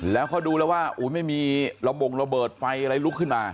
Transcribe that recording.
แล้วเขาดูแล้วว่าไม่มีระบงระเบิดไฟอะไรลุกขึ้นมา